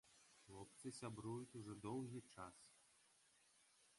Хлопцы сябруюць ужо доўгі час.